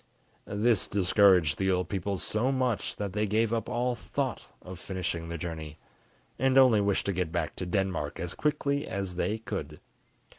This discouraged the old people so much that they gave up all thought of finishing the journey, and only wished to get back to Denmark as quickly as they could.